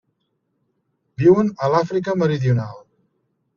Viuen a l'Àfrica Meridional.